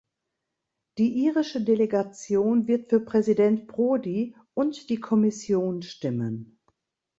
Die irische Delegation wird für Präsident Prodi und die Kommission stimmen.